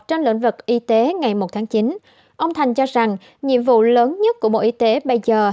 trong lĩnh vực y tế ngày một tháng chín ông thành cho rằng nhiệm vụ lớn nhất của bộ y tế bây giờ